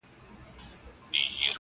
• چي دولت لري صاحب د لوړ مقام دي..